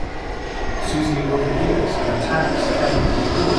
Suzie overhears and attacks Kelly in the pool.